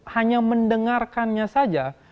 hanya mendengarkannya saja